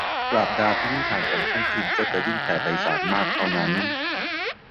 ปราบดาภินิหารย์ของท่านคิมก็จะยิ่งแผ่ไพศาลมากเท่านั้น